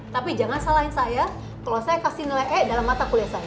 tapi jangan salahin saya kalau saya kasih nilai e dalam mata kuliah saya